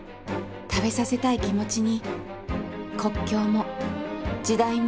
食べさせたい気持ちに国境も時代もないんだね。